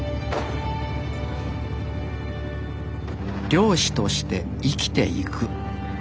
漁師として生きていく。